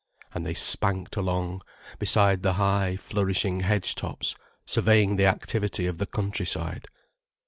And they spanked along, beside the high, flourishing hedge tops, surveying the activity of the countryside.